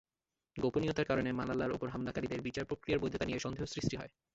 গোপনীয়তার কারণে মালালার ওপর হামলাকারীদের বিচারপ্রক্রিয়ার বৈধতা নিয়ে সন্দেহ সৃষ্টি হয়।